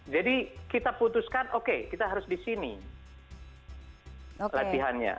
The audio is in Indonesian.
kita putuskan oke kita harus di sini latihannya